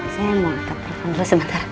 saya mau angkat telepon dulu sebentar